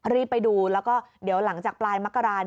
รีบไปดูแล้วก็เดี๋ยวหลังจากปลายมกรา